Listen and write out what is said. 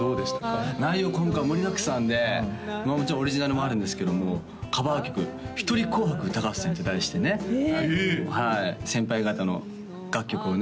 今回盛りだくさんでもちろんオリジナルもあるんですけどもカバー曲ひとり紅白歌合戦って題してねはい先輩方の楽曲をね